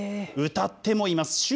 歌ってもいます。